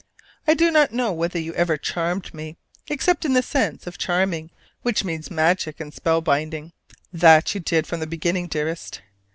I do not know whether you ever charmed me, except in the sense of charming which means magic and spell binding. That you did from the beginning, dearest.